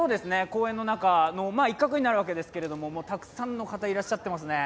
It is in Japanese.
公園の一角になるわけなんですけれども、たくさんの方、いらっしゃってますね。